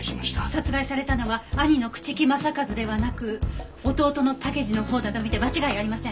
殺害されたのは兄の朽木政一ではなく弟の武二のほうだと見て間違いありません。